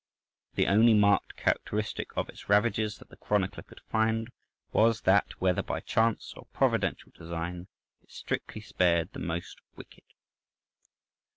The only marked characteristic of its ravages that the chronicler could find was that, "whether by chance or providential design, it strictly spared the most wicked."